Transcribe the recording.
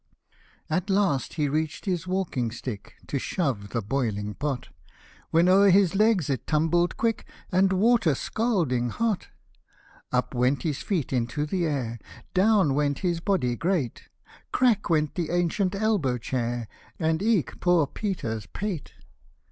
At last he reached his walking stick, To shove the boiling pot ; When o'er his legs it tumbled quick ! And water scalding hot ! Up went his feet into the air ; Down went his body great ; Crack went the ancient elbow chair ! And eke poor Peter's pate